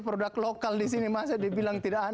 produk lokal disini masa dibilang tidak